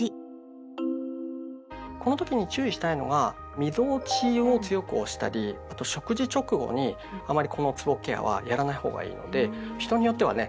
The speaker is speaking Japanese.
この時に注意したいのがみぞおちを強く押したりあと食事直後にあまりこのつぼケアはやらないほうがいいので人によってはね